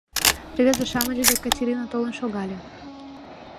Рвезе-шамыч дек Катерина толын шогале: